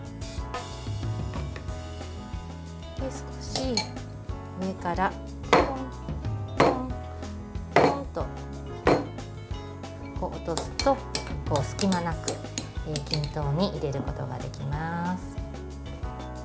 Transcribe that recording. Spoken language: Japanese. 少し上からトントントンと落とすと隙間なく均等に入れることができます。